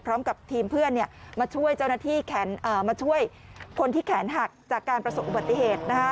เป็นทีมเพื่อนมาช่วยเขาจากการประสบอุบัติเหตุ